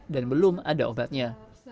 dan belum ada obatnya